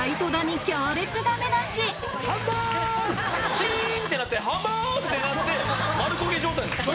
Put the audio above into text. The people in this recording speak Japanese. チンってなってハンバーグ！ってなって丸焦げ状態なんですか？